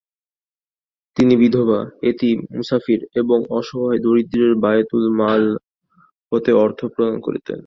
তিনি বিধবা, এতিম, মুসাফির, এবং অসহায় দরিদ্রদের বায়তুল মাল হতে অর্থ প্রদান করতেন।